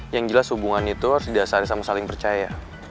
yang jelas hubungan itu harus didasari sama saling percaya